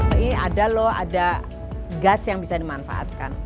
oh ini ada loh ada gas yang bisa dimanfaatkan